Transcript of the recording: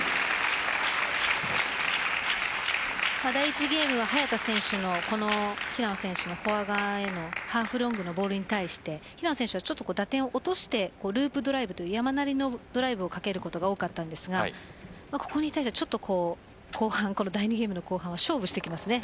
第１ゲームは早田選手のこの平野選手のフォア側へのハーフロングのボールに対して平野選手はループドライブという山なりのドライブをかけることが多かったんですがここに対してはこの第２ゲームの後半は勝負してきますね。